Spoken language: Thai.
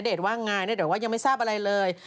ณเดชน์ว่าอย่างไรแน่เดียวว่ายังไม่ทราบอะไรเลย